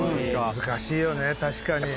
難しいよね